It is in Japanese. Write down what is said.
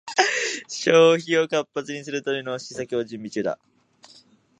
消費を活発にするための施策を準備中だ